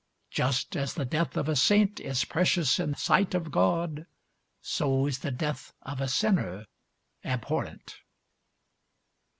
Just as the death of a saint is precious in the sight of God, so is the death of a sinner abhorrent."